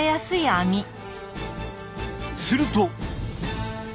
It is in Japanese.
すると。